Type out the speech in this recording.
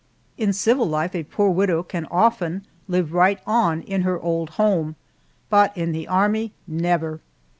In civil life a poor widow can often live right on in her old home, but in the Army, never!